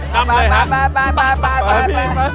นำเลยครับพี่มา๗ปิด